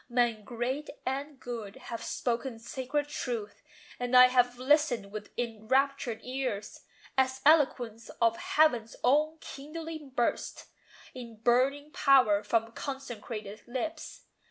Men great and good have spoken sacred truth; And I have listened with enraptured ears, As eloquence of Heaven's own kindling burst In burning power from consecrated lips.